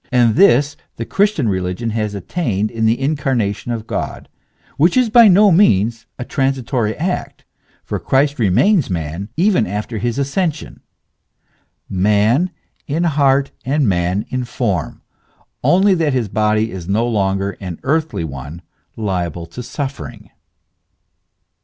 And this the Christian religion has attained in the in carnation of God, which is by no means a transitory act, for Christ remains man even after his ascension, man in heart and man in form, only that his body is no longer an earthly one, liable to suffering.